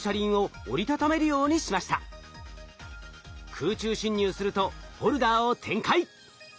空中侵入するとホルダーを展開。